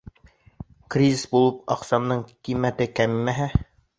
Кризис булып, аҡсаңдың ҡиммәте кәмемәһә!